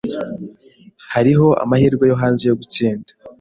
Hariho amahirwe yo hanze yo gutsinda.